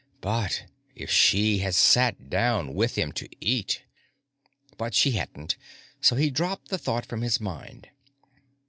But if she had sat down with him to eat But she hadn't, so he dropped the thought from his mind.